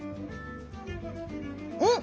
うん！